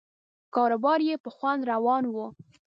کاروبار یې په خوند روان و.